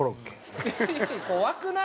怖くない？